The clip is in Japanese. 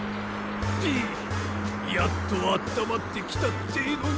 ピやっとあったまってきたってえのに。